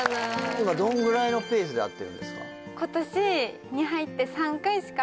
今どのぐらいのペースで会ってるんですか？